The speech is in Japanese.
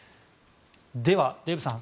では、デーブさん